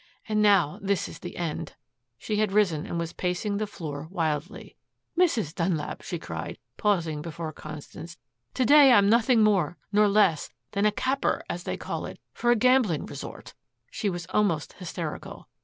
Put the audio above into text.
And now this is the end." She had risen and was pacing the floor wildly. "Mrs. Dunlap," she cried, pausing before Constance, "to day I am nothing more nor less than a 'capper,' as they call it, for a gambling resort." She was almost hysterical.